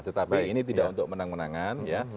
tetapi ini tidak untuk menang menangan ya